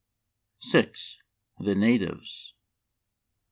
The Natives.